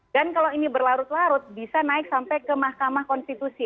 dan kalau ini berlarut larut bisa naik sampai ke mahkamah konstitusi